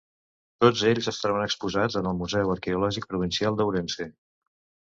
Tots ells es troben exposats en el Museu Arqueològic Provincial d'Ourense.